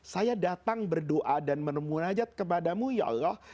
saya datang berdoa dan munajat kepadamu ya allah